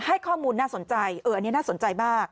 ให้ข้อมูลน่าสนใจอันนี้น่าสนใจมาก